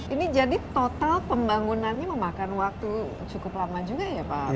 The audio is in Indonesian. ini jadi total pembangunannya memakan waktu cukup lama juga ya pak